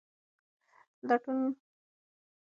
لفروی مالي توان نه درلود او له جین جلا شو.